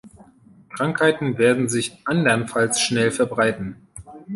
Krankheiten werden sich andernfalls schnell verbreiten.